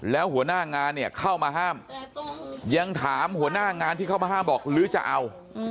แล้วหัวหน้างานเนี่ยเข้ามาห้ามยังถามหัวหน้างานที่เข้ามาห้ามบอกลื้อจะเอา